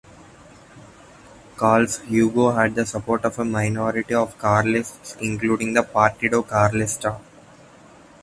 Carlos Hugo had the support of a minority of Carlists including the Partido Carlista.